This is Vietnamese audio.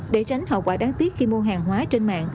để tránh hậu quả đáng tiếc khi mua hàng hóa trên mạng